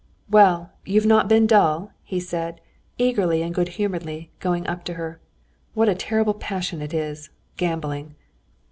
"Well, you've not been dull?" he said, eagerly and good humoredly, going up to her. "What a terrible passion it is—gambling!"